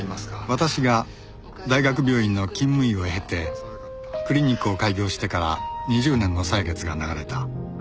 私が大学病院の勤務医を経てクリニックを開業してから２０年の歳月が流れた